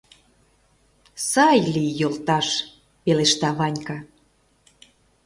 — Сай лий, йолташ! — пелешта Ванька.